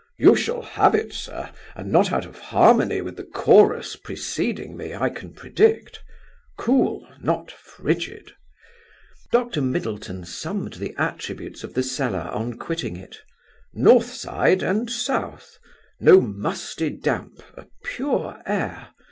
"You shall have it, sir, and not out of harmony with the chorus preceding me, I can predict. Cool, not frigid." Dr. Middleton summed the attributes of the cellar on quitting it. "North side and South. No musty damp. A pure air.